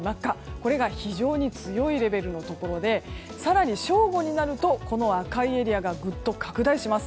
これが非常に強いレベルのところで更に正午になるとこの赤いエリアがぐっと拡大します。